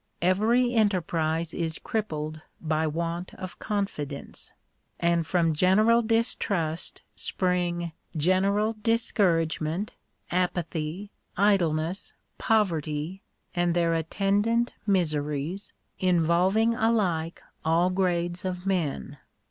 Every enterprise is crippled by want of confidence. And from general distrust spring general discouragement, apathy, idleness, poverty, and their attendant miseries, involving alike all grades of men.